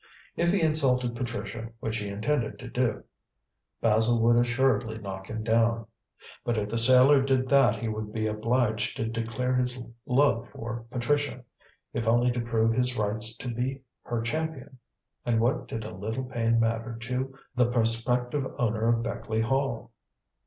If he insulted Patricia, which he intended to do, Basil would assuredly knock him down. But if the sailor did that he would be obliged to declare his love for Patricia, if only to prove his rights to be her champion. And what did a little pain matter to the prospective owner of Beckleigh Hall?